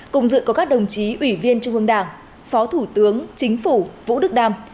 cùng dự có các đồng chí ủy viên trung ương đảng phó thủ tướng chính phủ vũ đức đam